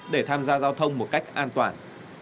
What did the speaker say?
để tham gia giao thông một cách an toàn